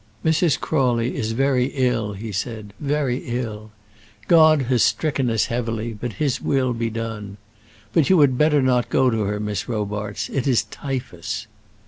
"Mrs. Crawley is very ill," he said, "very ill. God has stricken us heavily, but His will be done. But you had better not go to her, Miss Robarts. It is typhus."